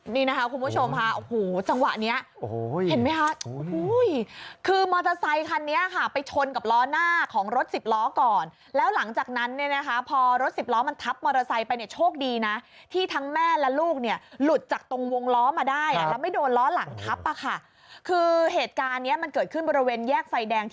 นี่นะคะคุณผู้ชมค่ะโอ้โหจังหวะเนี้ยโอ้โหเห็นไหมคะคือมอเตอร์ไซคันนี้ค่ะไปชนกับล้อหน้าของรถสิบล้อก่อนแล้วหลังจากนั้นเนี่ยนะคะพอรถสิบล้อมันทับมอเตอร์ไซค์ไปเนี่ยโชคดีนะที่ทั้งแม่และลูกเนี่ยหลุดจากตรงวงล้อมาได้แล้วไม่โดนล้อหลังทับอ่ะค่ะคือเหตุการณ์เนี้ยมันเกิดขึ้นบริเวณแยกไฟแดง